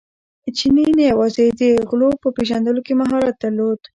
چیني نه یوازې د غلو په پېژندلو کې مهارت درلود.